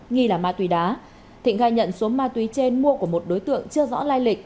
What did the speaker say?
nghi là ma túy đá thịnh khai nhận số ma túy trên mua của một đối tượng chưa rõ lai lịch